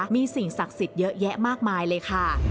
มีสิ่งศักดิ์สิทธิ์เยอะแยะมากมายเลยค่ะ